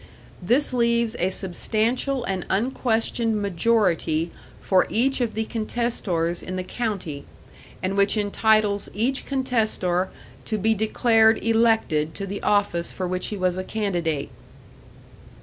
This leaves a substantial and unquestioned majority for each of the contestors in the county, and which entitles each contestor to be declared elected to the office for which he was a candidate.